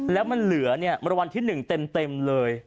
แล้วมันเหลือเนี่ยมรวรรณที่๑เต็มเลย